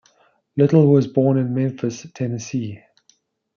Little was born in Memphis, Tennessee.